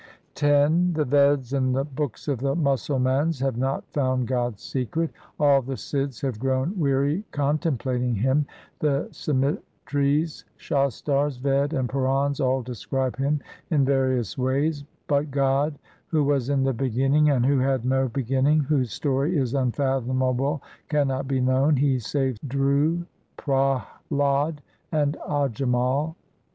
X The Veds and the books of the Musalmans have not found God's secret ; all the Sidhs have grown weary con templating Him. The Simritis, Shastars, Veds, and Purans all describe Him in various ways ; But God who was in the beginning, and who had no beginning, whose story is unfathomable, cannot be known. He saved such as Dhru, Prahlad, and Ajamal.